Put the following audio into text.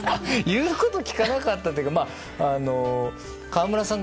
言うことを聞かなかったというか川村さん